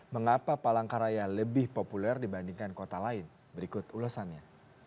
mengapa palangkaraya lebih populer dibandingkan kota lain berikut ulasannya